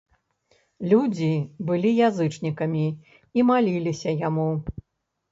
Людзі былі язычнікамі і маліліся яму.